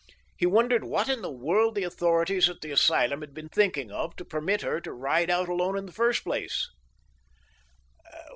He wondered what in the world the authorities at the asylum had been thinking of to permit her to ride out alone in the first place.